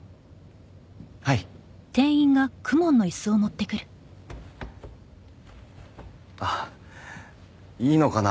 はいあっいいのかな？